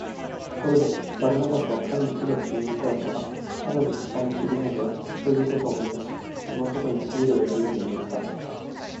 ところで、バルナバスは彼にひどく気に入ってはいたが、ただの使いにすぎないのだ、ということを思い出し、この男にビールをやるように命じた。